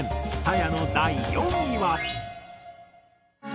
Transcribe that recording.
蔦谷の第４位は。